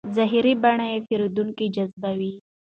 ظاهري بڼه پیرودونکی جذبوي.